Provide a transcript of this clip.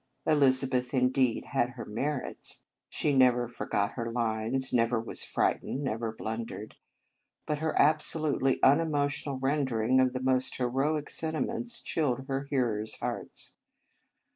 Elizabeth, indeed, had her merits. She never forgot her lines, never was frightened, never blundered. But her absolutely unemo tional rendering of the most heroic sentiments chilled her hearers hearts.